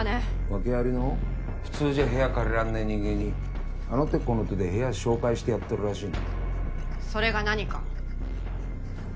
訳ありの普通じゃ部屋借りらんねぇ人間にあの手この手で部屋紹介してやってるらしいな。それが何か？